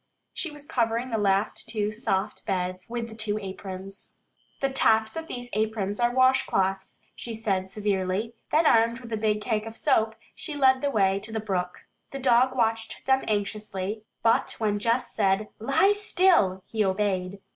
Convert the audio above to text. She was covering the last two soft beds with the two aprons. "The tops of these aprons are washcloths," she said severely. Then armed with the big cake of soap she led the way to the brook. The dog watched them anxiously, but when Jess said, "Lie still," he obeyed.